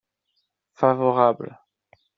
Favorable.